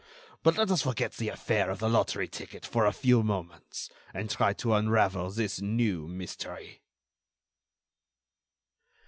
But let us forget the affair of the lottery ticket for a few moments, and try to unravel this new mystery."